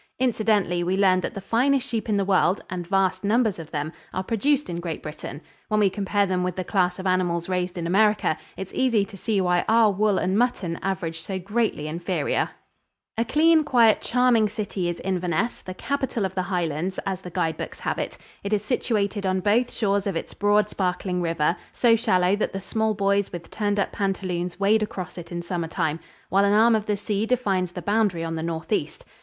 Incidentally we learned that the finest sheep in the world and vast numbers of them are produced in Great Britain. When we compare them with the class of animals raised in America it is easy to see why our wool and mutton average so greatly inferior. [Illustration: IN THE SCOTTISH HIGHLANDS. From Painting by D. Sherrin.] A clean, quiet, charming city is Inverness, "the capital of the Highlands," as the guide books have it. It is situated on both shores of its broad, sparkling river so shallow that the small boys with turned up pantaloons wade across it in summer time while an arm of the sea defines the boundary on the northeast.